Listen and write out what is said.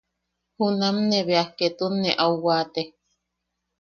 Junam ne bea ketun ne au waate.